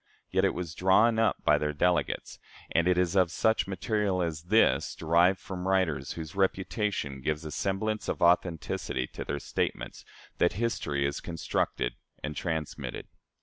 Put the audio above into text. Yet it was drawn up by their delegates, and it is of such material as this, derived from writers whose reputation gives a semblance of authenticity to their statements, that history is constructed and transmitted.